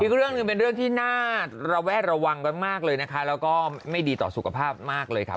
อีกเรื่องเป็นเรื่องที่เราเราวรรณ์กันมากเลยนะคะแล้วก็ไม่ดีต่อสุขภาพมากเลยครับ